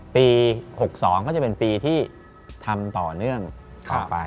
ปี๖๒ก็จะเป็นปีที่ทำต่อเนื่องต่อไป